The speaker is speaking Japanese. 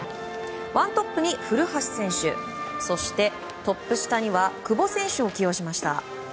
１トップに古橋選手そしてトップ下には久保選手を起用しました。